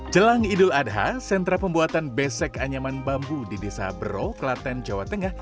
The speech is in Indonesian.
jelang idul adha sentra pembuatan besek anyaman bambu di desa bero kelaten jawa tengah